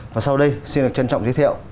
và sau đây xin được trân trọng giới thiệu